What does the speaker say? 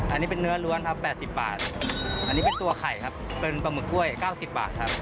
อันนี้เป็นเนื้อล้วนครับ๘๐บาทอันนี้เป็นตัวไข่ครับเป็นปลาหมึกกล้วย๙๐บาทครับ